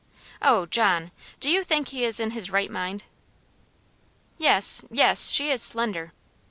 O, John! do you think he is in his right mind?" "Yes, yes; she is slender."